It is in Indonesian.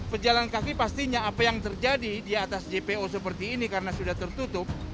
pejalan kaki pastinya apa yang terjadi di atas jpo seperti ini karena sudah tertutup